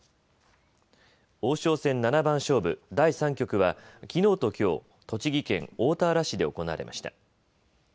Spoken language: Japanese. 王将戦七番勝負、第３局はきのうときょう、栃木県大田原市で行われました。